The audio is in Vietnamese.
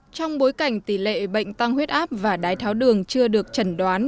trong bối cảnh tỷ lệ bệnh tăng huyết áp và đái tháo đường chưa được trần đoán